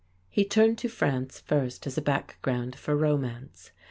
He turned to France first as a background for romance.